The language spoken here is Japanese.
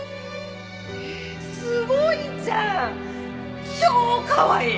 えっすごいじゃん！超かわいい！